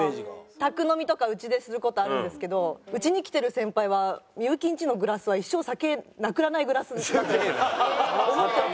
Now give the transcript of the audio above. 宅飲みとかうちでする事あるんですけどうちに来てる先輩は幸んちのグラスは一生酒なくならないグラスだと思ったって。